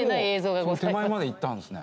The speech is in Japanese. でも手前まで行ったんですね。